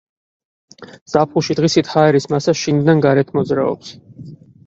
ზაფხულში დღისით ჰაერის მასა შიგნიდან გარეთ მოძრაობს.